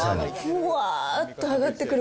ふわーっと上がってくる